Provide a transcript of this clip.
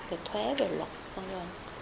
về thuế về luật v v